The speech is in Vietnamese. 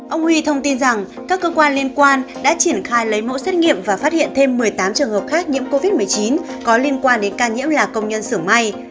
ông huy thông tin rằng các cơ quan liên quan đã triển khai lấy mẫu xét nghiệm và phát hiện thêm một mươi tám trường hợp khác nhiễm covid một mươi chín có liên quan đến ca nhiễm là công nhân xưởng may